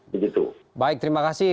begitu baik terima kasih